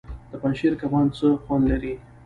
د پنجشیر کبان څه خوند لري؟